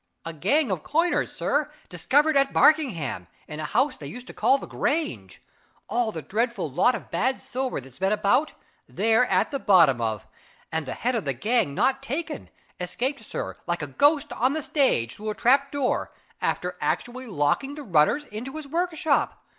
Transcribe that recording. "A gang of coiners, sir, discovered at Barkingham in a house they used to call the Grange. All the dreadful lot of bad silver that's been about, they're at the bottom of. And the head of the gang not taken! escaped, sir, like a ghost on the stage, through a trap door, after actually locking the runners into his workshop.